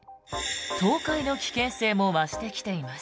倒壊の危険性も増してきています。